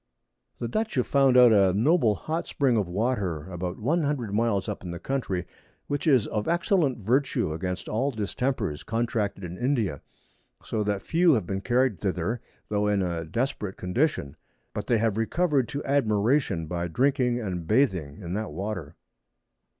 The Dutch have found out a noble hot Spring of Water above 100 Miles up in the Country, which is of excellent virtue against all Distempers contracted in India; so that few have been carried thither, tho' in a desperate Condition, but they have recover'd to admiration by drinking and bathing in that Water.